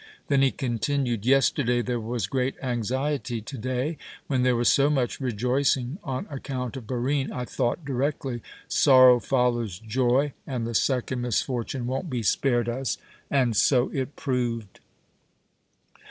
Then he continued: "Yesterday there was great anxiety. Today, when there was so much rejoicing on account of Barine, I thought directly, 'Sorrow follows joy, and the second misfortune won't be spared us.' And so it proved."